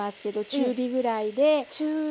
中火ぐらいで。